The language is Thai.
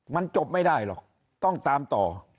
มันจบไม่ได้หรอกต้องตามต่อ